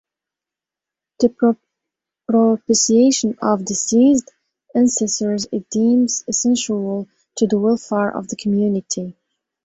The propitiation of deceased ancestors is deemed essential to the welfare of the community.